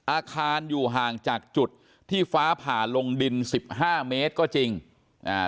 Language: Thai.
อาคารอยู่ห่างจากจุดที่ฟ้าผ่าลงดินสิบห้าเมตรก็จริงอ่า